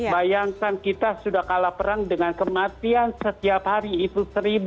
bayangkan kita sudah kalah perang dengan kematian setiap hari itu seribu